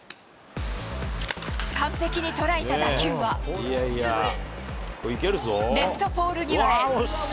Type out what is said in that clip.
完璧に捉えた打球は、レフトポール際へ。